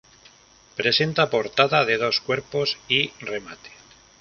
Presenta portada de dos cuerpos y remate.